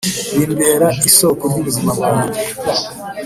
bimbera isoko y’ubuzima bwanjye